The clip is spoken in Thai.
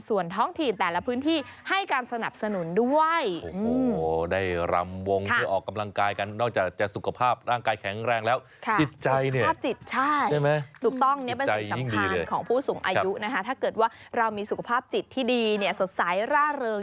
ถูกต้องนี่เป็นสิ่งสำคัญของผู้สูงอายุถ้าเกิดว่าเรามีสุขภาพจิตที่ดีสดใสร่าเริง